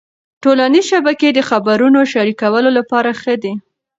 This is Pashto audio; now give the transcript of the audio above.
ټولنيزې شبکې د خبرونو شریکولو لپاره ښې دي.